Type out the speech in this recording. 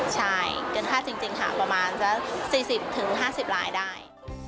ใช่เกินค่าจริงค่ะประมาณสัก๔๐๕๐รายได้